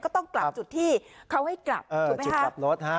ก็ต้องกลับจุดที่เขาให้กลับถูกไหมคะกลับรถฮะ